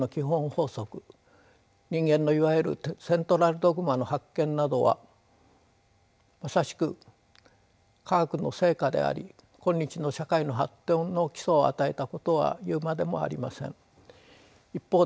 法則人間のいわゆるセントラルドグマの発見などはまさしく科学の成果であり今日の社会の発展の基礎を与えたことは言うまでもありません。